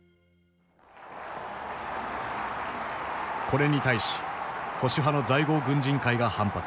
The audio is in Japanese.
これに対し保守派の在郷軍人会が反発。